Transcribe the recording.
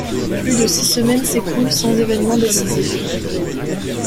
Plus de six semaines s'écoulent sans événement décisif.